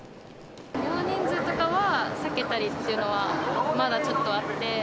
大人数とかは避けたりっていうのは、まだ、ちょっとあって。